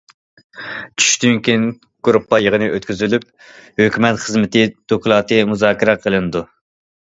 چۈشتىن كېيىن گۇرۇپپا يىغىنى ئۆتكۈزۈلۈپ، ھۆكۈمەت خىزمىتى دوكلاتى مۇزاكىرە قىلىنىدۇ.